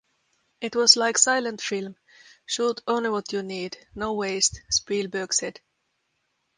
It was like silent film--shoot only what you need, no waste, Spielberg said.